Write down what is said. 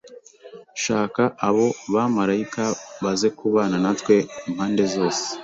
Shaka abo bamarayika bazekubana natwe impande zose